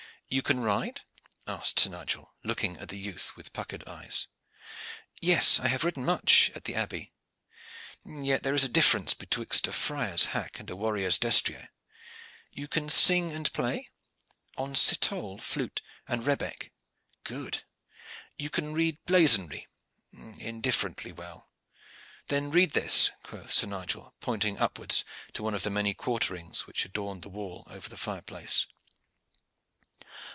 "You can ride?" asked Sir Nigel, looking at the youth with puckered eyes. "Yes, I have ridden much at the abbey." "Yet there is a difference betwixt a friar's hack and a warrior's destrier. You can sing and play?" "On citole, flute and rebeck." "Good! You can read blazonry?" "Indifferent well." "Then read this," quoth Sir Nigel, pointing upwards to one of the many quarterings which adorned the wall over the fireplace.